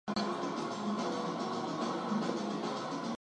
This is done partly with Public-key cryptography.